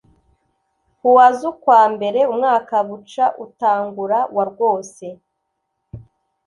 ku wa z'ukwa mbere umwaka buca utangura wa rwose